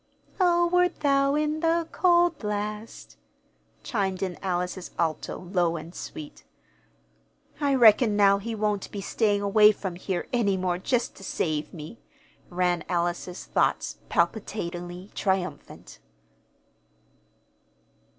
"'O wert thou in the cauld blast,'" chimed in Alice's alto, low and sweet. "I reckon now he won't be staying away from here any more just to save me!" ran Alice's thoughts, palpitatingly triumphant.